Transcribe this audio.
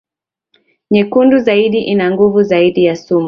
nyekundu zaidi ina nguvu zaidi ya sumu